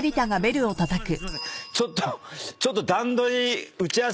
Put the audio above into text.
ちょっとちょっと段取り。